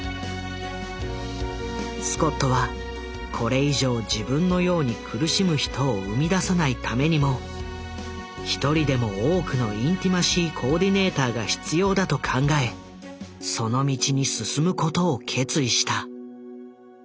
スコットはこれ以上自分のように苦しむ人を生み出さないためにも一人でも多くのインティマシー・コーディネーターが必要だと考えその道に進むことを決意した。